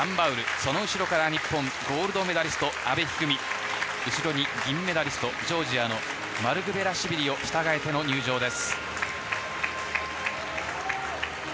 その後ろから、日本のゴールドメダリスト、阿部一二三後ろにジョージアのマルクベシュビリを控えて入場です。